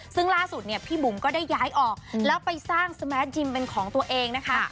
ซึ่งล่าสุดเนี่ยพี่บุ๋มก็ได้ย้ายออกแล้วไปสร้างสแมทยิมเป็นของตัวเองนะคะ